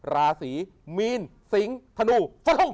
ราศีมีนสิงธนูภรรคง